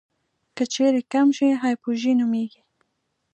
که چیرې کم شي هایپوژي نومېږي.